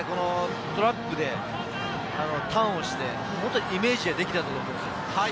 トラップでターンをして、イメージでできたと思うんですよ。